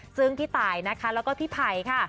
ซึ่งพี่ตายนะคะแล้วก็พี่ไผ่ค่ะ